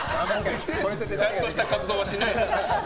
ちゃんとした活動はしないです。